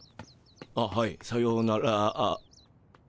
あっはいさようなら。